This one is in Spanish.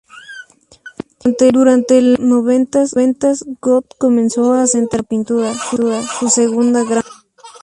Durante los noventas, Gott comenzó a centrarse en la pintura, su segunda gran pasión.